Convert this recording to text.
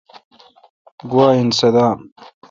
گوا این صدام۔